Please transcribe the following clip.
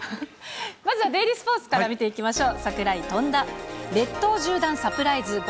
まずはデイリースポーツから見ていきましょう。